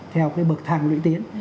theo cái bậc thẳng lưỡi tiến